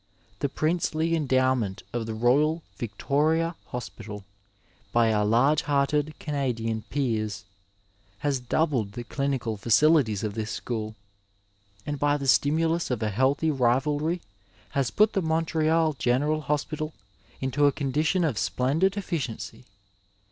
The princely endowment of the Royal Victoria Hospital by our large hearted Canadian Peers has doubled the clinical fa cilities of this school, and by the stimulus of a healthy rivahy has put the Montreal General Hospital into a con dition of splendid efficiency.